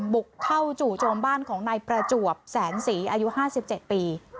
บุกเข้าจู่โจมบ้านของนายประจวบแสนศรีอายุ๕๗ปี